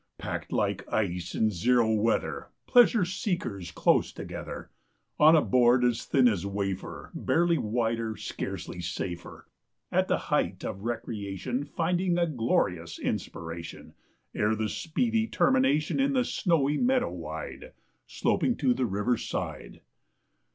Packed like ice in zero weather, Pleasure seekers close together, On a board as thin as wafer, Barely wider, scarcely safer, At the height of recreation Find a glorious inspiration, Ere the speedy termination In the snowy meadow wide, Sloping to the river's side.